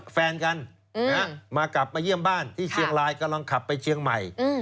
แฟนกันมากลับมาเยี่ยมบ้านที่เชียงรายกำลังขับไปเชียงใหม่